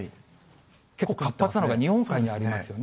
結構活発なのが日本海にありますよね。